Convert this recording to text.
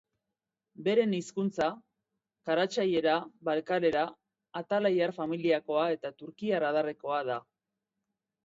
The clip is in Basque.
Beren hizkuntza, karatxaiera-balkarera, altaitar familiakoa eta turkiar adarrekoa da.